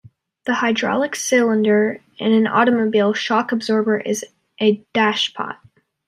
The hydraulic cylinder in an automobile shock absorber is a dashpot.